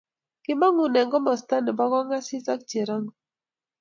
Kimongune komasta nebo kongasis ak cherongo